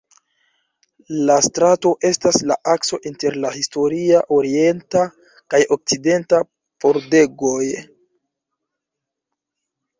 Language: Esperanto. La strato estas la akso inter la historia orienta kaj okcidenta pordegoj.